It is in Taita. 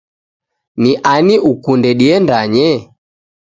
Ni ani ukunde diendanye?